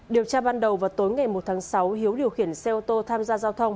điều tra ban đầu vào tối ngày một tháng sáu hiếu điều khiển xe ô tô tham gia giao thông